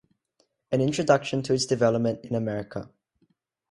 An introduction to its development in America.